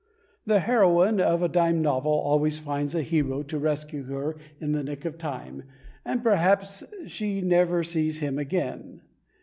The heroine of a dime novel always finds a hero to rescue her in the nick of time, and perhaps she never sees him again.